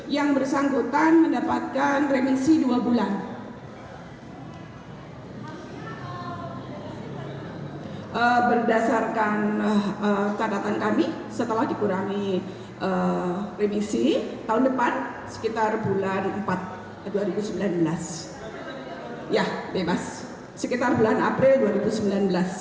ya bebas sekitar bulan april dua ribu sembilan belas